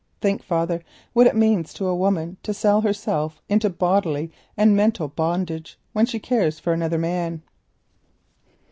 Think, father, what it means to a woman to sell herself into bodily and mental bondage—when she cares for another man."